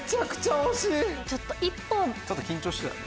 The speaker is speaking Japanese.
ちょっと緊張してたよね。